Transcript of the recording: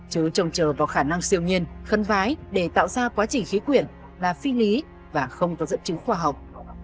chứ trông chờ vào khả năng siêu nhiên khân vái để tạo ra quá trình khí quyển là phi lý và không có dẫn chứng khoa học